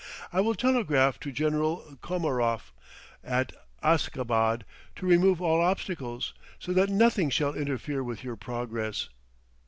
I will telegraph to General Komaroff, at Askabad, to remove all obstacles, so that nothing shall interfere with your progress."